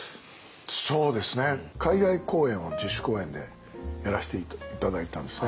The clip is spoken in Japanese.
海外公演を自主公演でやらせて頂いたんですね。